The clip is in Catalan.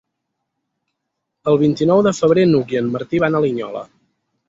El vint-i-nou de febrer n'Hug i en Martí van a Linyola.